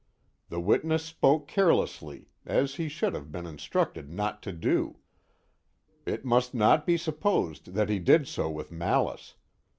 The witness spoke carelessly, as he should have been instructed not to do. It must not be supposed that he did so with malice.